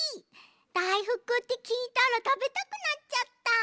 だいふくってきいたらたべたくなっちゃった。